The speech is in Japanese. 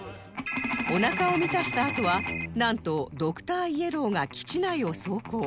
おなかを満たしたあとはなんとドクターイエローが基地内を走行